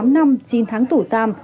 tám năm chín tháng tủ giam